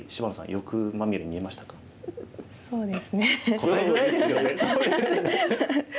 答えづらいですよね。